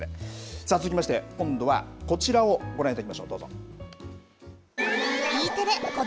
さあ、続きまして、今度はこちらをご覧いただきましょう、どうぞ。